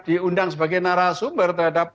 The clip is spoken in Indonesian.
diundang sebagai narasumber terhadap